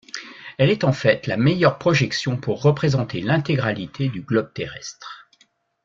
Elle est en fait la meilleure projection pour représenter l'intégralité du globe terrestre.